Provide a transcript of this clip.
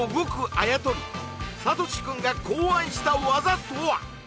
あやとりサトシくんが考案した技とは？